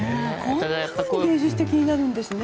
こんなに芸術的になるんですね。